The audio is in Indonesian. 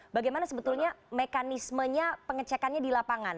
bagaimana sebetulnya mekanismenya pengecekannya di lapangan